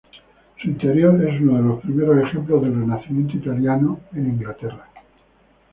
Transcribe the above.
Su interior es uno de los primeros ejemplos del Renacimiento italiano en Inglaterra.